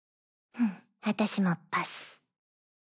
私もパス。